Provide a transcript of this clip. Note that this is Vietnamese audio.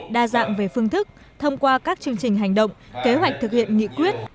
đa dạng về phương thức thông qua các chương trình hành động kế hoạch thực hiện nghị quyết